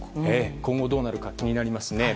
今後どうなるか気になりますね。